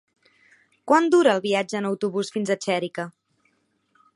Quant dura el viatge en autobús fins a Xèrica?